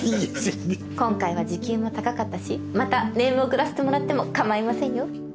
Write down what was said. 今回は時給も高かったしまたネーム遅らせてもらっても構いませんよ。